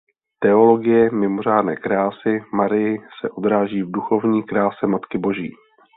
Teologie mimořádné krásy Marii se odráží v duchovní kráse Matky Boží.